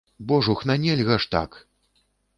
Божухна, нельга ж так!